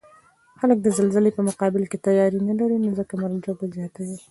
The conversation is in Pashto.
خلک د زلزلې په مقابل کې تیاری نلري، نو ځکه مرګ ژوبله زیاته وی